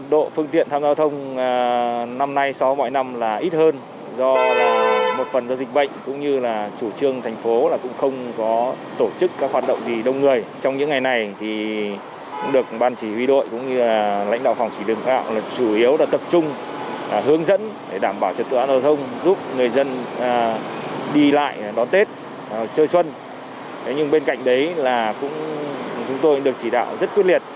đấy là cũng chúng tôi được chỉ đạo rất quyết liệt